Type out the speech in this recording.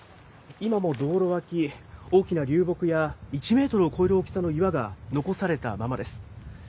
今も道路脇、大きな流木や１メートルを超える大きさの岩が残されたままです。